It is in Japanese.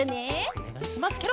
おねがいしますケロ！